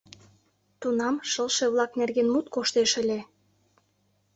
Тунам шылше-влак нерген мут коштеш ыле.